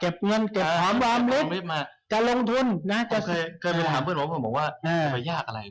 เหมือนลงหาเพื่อนผมบอกว่าไม่ยากอะไร